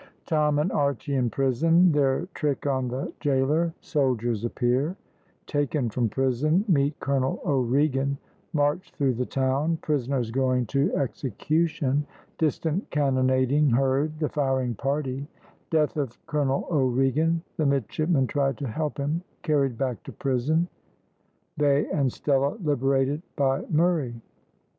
TOM AND ARCHY IN PRISON THEIR TRICK ON THE GAOLER SOLDIERS APPEAR TAKEN FROM PRISON MEET COLONEL O'REGAN MARCHED THROUGH THE TOWN PRISONERS GOING TO EXECUTION DISTANT CANNONADING HEARD THE FIRING PARTY DEATH OF COLONEL O'REGAN THE MIDSHIPMEN TRY TO HELP HIM CARRIED BACK TO PRISON THEY AND STELLA LIBERATED BY MURRAY.